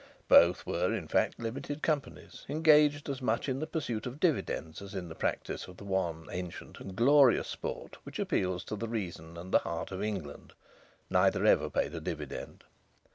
Both were, in fact, limited companies, engaged as much in the pursuit of dividends as in the practice of the one ancient and glorious sport which appeals to the reason and the heart of England. (Neither ever paid a dividend.)